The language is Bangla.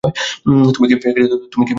তুমি কী ঠিক করেছো?